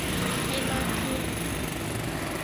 ให้มากขึ้น